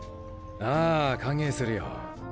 ああ歓迎するよ。